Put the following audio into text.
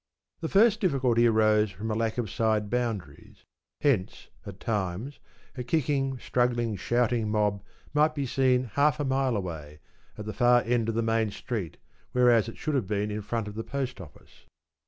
The first difficulty arose from a lack of side boundaries. Hence, at times, a kicking, struggling, shouting mob might be seen half a mile away, at the far end of the main street, whereas it should have been in front of the post office.